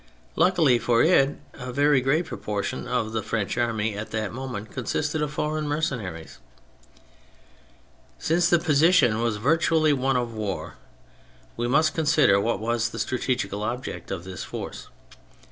Luckily for it, a very great proportion of the French army at that moment consisted of foreign mercenaries. Since the position was virtually one of war, we must consider what was the strategical object of this force.